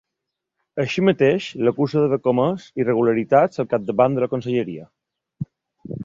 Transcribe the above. Així mateix, l’acusa d’haver comès irregularitats al capdavant de la conselleria.